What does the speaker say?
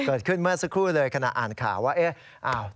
เกิดขึ้นเมื่อสักครู่เลยขณะอ่านข่าวว่าเอ๊ะ